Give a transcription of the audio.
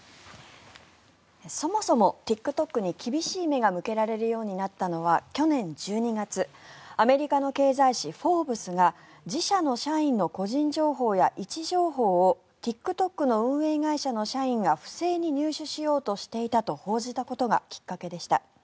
そもそもＴｉｋＴｏｋに厳しい目が向けられるようになったのは去年１２月、アメリカの経済誌「フォーブス」が自社の社員の個人情報や位置情報をＴｉｋＴｏｋの運営会社の社員が不正に入手しようとしていたと報じたことがきっかけでした。